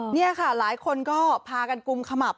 นี่ค่ะหลายคนก็พากันกุมขมับ